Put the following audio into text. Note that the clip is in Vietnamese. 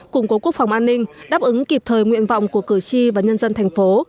củng cố quốc phòng an ninh đáp ứng kịp thời nguyện vọng của cử tri và nhân dân thành phố